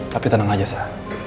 tapi tenang aja sal